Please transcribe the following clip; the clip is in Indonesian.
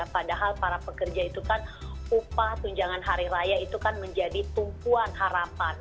padahal para pekerja itu kan upah tunjangan hari raya itu kan menjadi tumpuan harapan